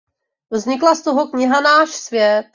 Vznikla z toho kniha "Náš svět".